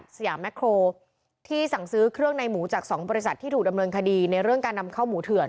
สยามแครที่สั่งซื้อเครื่องในหมูจาก๒บริษัทที่ถูกดำเนินคดีในเรื่องการนำเข้าหมูเถื่อน